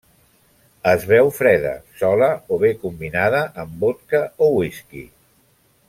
Es beu freda, sola o bé combinada amb vodka o whisky.